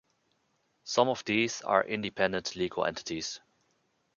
Some of these are independent legal entities.